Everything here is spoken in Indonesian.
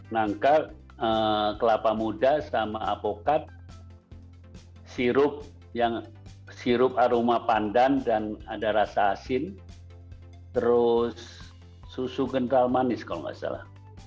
nangka kelapa muda sama avokad sirup aroma pandan dan ada rasa asin terus susu gental manis kalau nggak salah